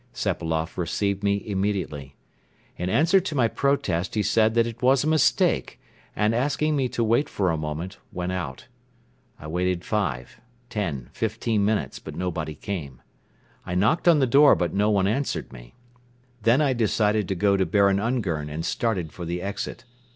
Sepailoff received me immediately. In answer to my protest he said that it was a mistake and, asking me to wait for a moment, went out. I waited five, ten, fifteen minutes but nobody came. I knocked on the door but no one answered me. Then I decided to go to Baron Ungern and started for the exit.